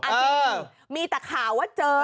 จริงมีแต่ข่าวว่าเจอ